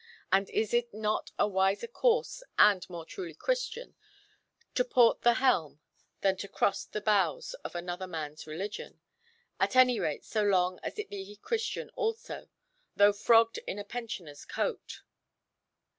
And is it not a wiser course, and more truly Christian, to port the helm than to cross the bows of another man's religion, at any rate so long as it be Christian also, though frogged in a pensioner's coat?